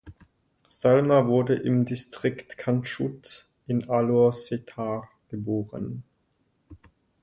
Salma wurde im Distrikt Kanchut in Alor Setar geboren.